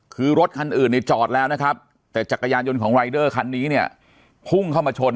คือรถคันอื่นเนี่ยจอดแล้วนะครับแต่จักรยานยนต์ของรายเดอร์คันนี้เนี่ยพุ่งเข้ามาชน